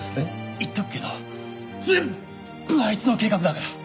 言っとくけど全部あいつの計画だから！